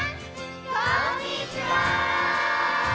こんにちは！